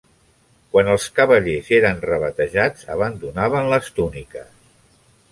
Quan els cavallers eren rebatejats, abandonaven les túniques.